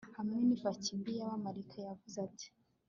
Hamwe nipaki mbi yamakarita Yavuze ati